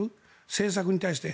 政策に対して。